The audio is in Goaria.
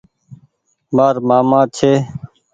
مآر مآمآ ڇي۔